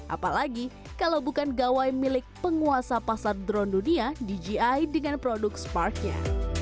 apalagi kalau bukan gawai milik penguasa pasar drone dunia dji dengan produk spark nya